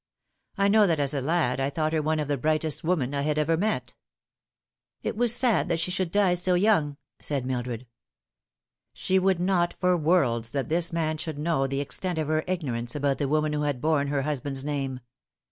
I know that as a lad I thought her one of the brightest women I had ever met." " It was sad that she should die so young," said Mildred. She would not for worlds that this man should know the extent of her ignorance about the woman who had borne her l\ asband's name.